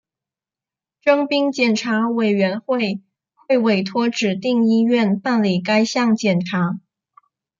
征兵检查委员会会委托指定医院办理该项检查。